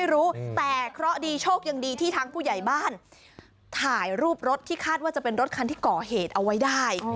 รถที่คาดว่าจะเป็นรถคันที่ก่อเหตุเอาไว้ได้